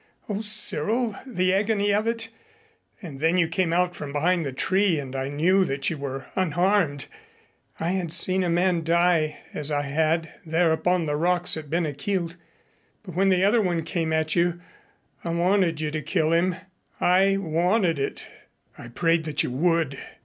O Cyril, the agony of it! And then you came out from behind the tree and I knew that you were unharmed. I had seen a man die, as I had, there upon the rocks at Ben a Chielt, but when the other one came at you I wanted you to kill him. I wanted it. I prayed that you would.